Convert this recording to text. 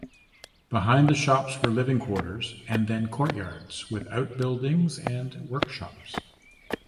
Behind the shops were living quarters and then courtyards with outbuildings and workshops.